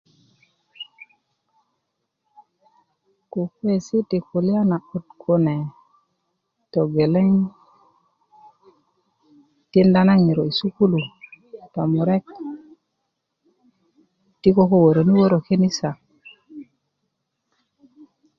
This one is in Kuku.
kukuwesi ti kulya na'but kune togeleŋ tinda ŋiro sukulu tomure ti koko wöröni wörö kenisa